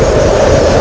itu udah gila